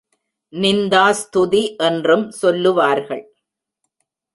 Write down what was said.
நிந்தாஸ்துதி என்றும் சொல்லுவார்கள்.